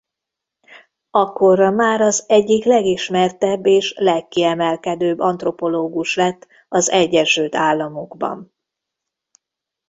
Akkora már az egyik legismertebb és legkiemelkedőbb antropológus lett az Egyesült Államokban.